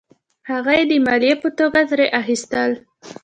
هغه یې د مالیې په توګه ترې اخیستل.